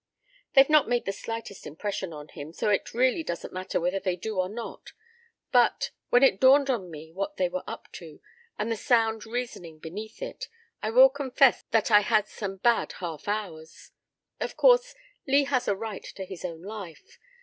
"They've not made the slightest impression on him, so it really doesn't matter whether they do or not. But when it dawned on me what they were up to, and the sound reasoning beneath it, I will confess that I had some bad half hours. Of course, Lee has a right to his own life.